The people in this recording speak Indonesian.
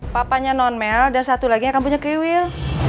papanya non mel dan satu lagi akan punya kiwil